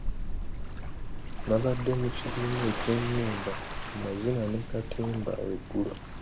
Nabadde mu kibiina ky'ennyimba, amazina ne katemba eggulo.